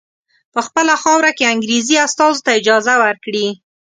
په خپله خاوره کې انګریزي استازو ته اجازه ورکړي.